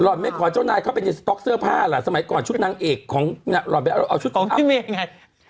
ไม่ขอเจ้านายเข้าไปในสต๊อกเสื้อผ้าล่ะสมัยก่อนชุดนางเอกของหล่อนไปเอาชุดของพี่เมฆไง